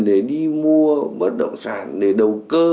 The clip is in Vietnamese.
để đi mua bất động sản để đầu cơ